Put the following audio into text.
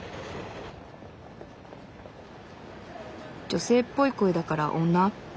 女性っぽい声だから女？